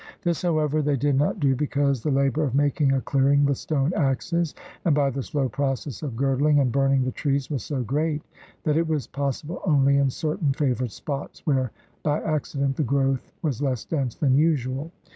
This, however, they did not do because the labor of making a clearing with stone axes and by the slow process of girdling and burning the trees was so great that it was possible only in certain favored spots where by accident the growth was less dense than usual.